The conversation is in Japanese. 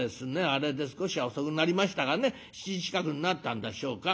あれで少しは遅くなりましたがね７時近くになったんでしょうか。